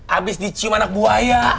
abis dicium anak buaya